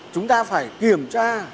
chúng ta phải kiểm tra